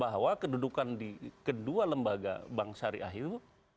bahwa kedudukan di kedua lembaga bank syariah itu